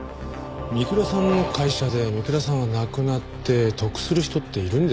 三倉さんの会社で三倉さんが亡くなって得する人っているんですかね？